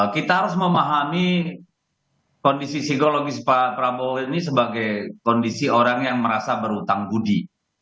kita harus memahami kondisi psikologis pak prabowo ini sebagai kondisi orang yang merasa berhutang budi